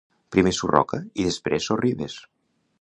Primer Surroca i després Sorribes.